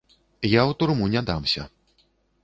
Я ў турму не дамся.